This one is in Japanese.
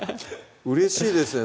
うれしいですね